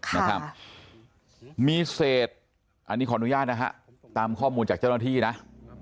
นะครับมีเศษอันนี้ขออนุญาตนะฮะตามข้อมูลจากเจ้าหน้าที่นะ